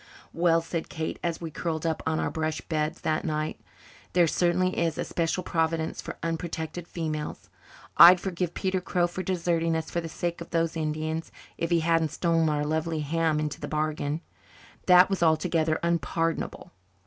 "Well," said Kate, as we curled up on our brush beds that night, "there certainly is a special Providence for unprotected females. I'd forgive Peter Crow for deserting us for the sake of those Indians, if he hadn't stolen our lovely ham into the bargain. That was altogether unpardonable."